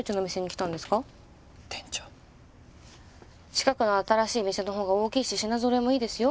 近くの新しいお店の方が大きいし品ぞろえもいいですよ。